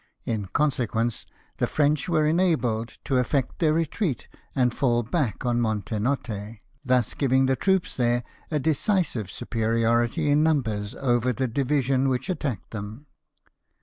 In con sequence, the French were enabled to effect their retreat, and fall back to Montenotte, thus giving the troops there a decisive superiority in number over the division which attacked them.